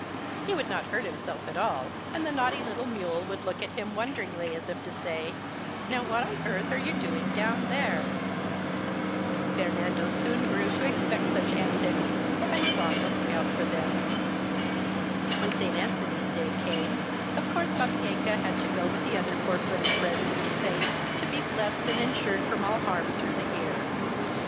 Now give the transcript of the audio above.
He would not hurt himself at all, and the naughty little mule would look at him wonderingly as if to say :" Now what on earth are you doing down there ?" Fer nando soon grew to expect such antics and was on the lookout for them. When St. Anthony's Day came, of course Babieca had to go with the other four footed friends of the saint, to be blessed and insured from all harm through the year.